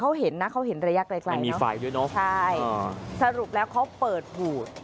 เขาเห็นนะเขาเห็นระยะไกลมีไฟด้วยเนอะใช่สรุปแล้วเขาเปิดหูด